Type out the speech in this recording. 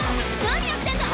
何やってんだ！